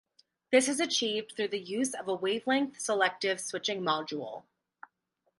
This is achieved through the use of a wavelength selective switching module.